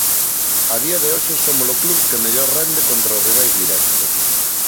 A día de hoxe somos o club que mellor rende contra os rivais directos.